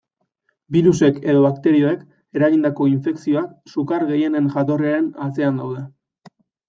Birusek edo bakterioek eragindako infekzioak sukar gehienen jatorriaren atzean daude.